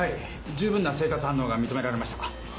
十分な生活反応が認められました。